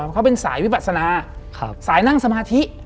เขาเป็นสายวิปัสนาสายนั่งสมาธิ